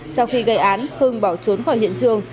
sau khi gây án hưng bỏ trốn khỏi hiện trường